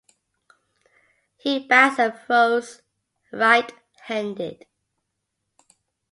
He bats and throws right-handed.